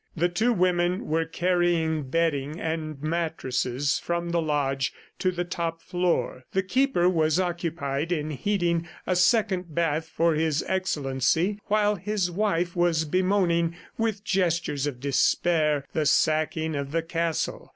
The two women were carrying bedding and mattresses from the lodge to the top floor. The Keeper was occupied in heating a second bath for His Excellency while his wife was bemoaning with gestures of despair the sacking of the castle.